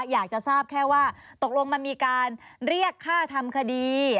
อยากจะทราบแค่ว่าตกลงมันมีการเรียกค่าทำคดี